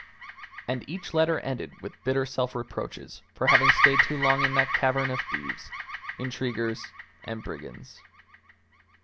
And each letter ended with bitter self reproaches for having stayed too long in that cavern of thieves, intriguers, and brigands.